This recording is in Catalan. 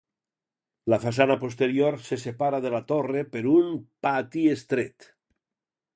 La façana posterior se separa de la torre per un pati estret.